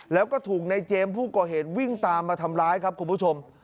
แล้วก็ถูกในเจมส์ผู้ก่อเหตุวิ่งตามมาทำร้ายครับคุณผู้ชม